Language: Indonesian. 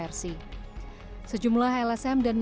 dan juga sejumlah pengalaman besar di kepentingan kpk